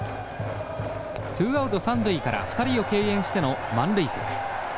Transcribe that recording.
ツーアウト三塁から２人を敬遠しての満塁策。